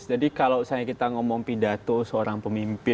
jadi kalau misalnya kita ngomong pidato seorang pemimpin